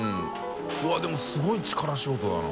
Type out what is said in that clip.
Δ錣でもすごい力仕事だな。